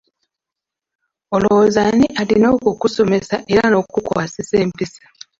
Olowooza ani alina okukusomesa era n'okukukwasisa empisa?